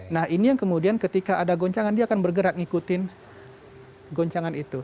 nah ini yang kemudian ketika ada goncangan dia akan bergerak ngikutin goncangan itu